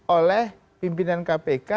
oleh pimpinan kpk